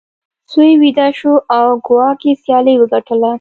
سوی ویده شو او کواګې سیالي وګټله.